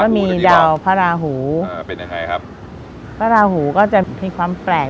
มีดาวพระราหูอ่าเป็นยังไงครับพระราหูก็จะมีความแปลก